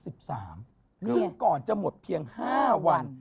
ซึ่งก่อนจะหมดเพียง๕วัน